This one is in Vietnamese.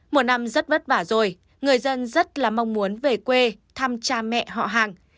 một năm rất vất vả rồi người dân rất là mong muốn về quê thăm cha mẹ họ hàng